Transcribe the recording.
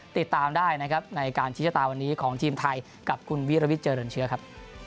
ติดตามได้นะครับในการชี้ชะตาวันนี้ของทีมไทยกับคุณวิรวิทย์เจริญเชื้อครับ